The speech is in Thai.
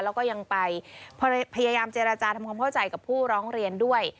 แล้วก็ยังไปพยายามเจรจาทำความเข้าใจกับผู้ร้องเรียนด้วย